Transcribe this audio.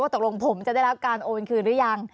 ตกลงผมจะได้รับการโอนคืนหรือยัง